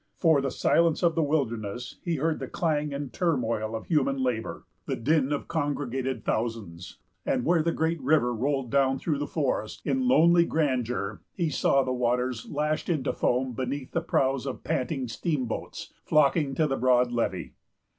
For the silence of the wilderness, he heard the clang and turmoil of human labor, the din of congregated thousands; and where the great river rolled down through the forest, in lonely grandeur, he saw the waters lashed into foam beneath the prows of panting steamboats, flocking to the broad levee.